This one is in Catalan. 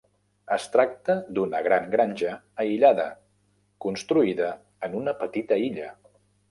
Es tracta d'una gran granja aïllada, construïda en una petita illa.